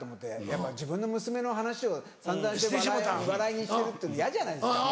やっぱ自分の娘の話を散々して笑いにしてるっていうの嫌じゃないですか。